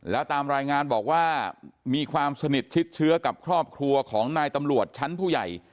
แล้วตามรายงานบอกว่ามีความสนิทชิดเชื้อกับครอบครัวของนายตำรวจชั้นผู้ใหญ่